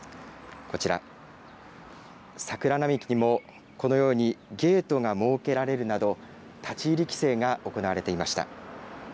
こちら、桜並木にもこのようにゲートが設けられるなど、立ち入り規制が行われていました。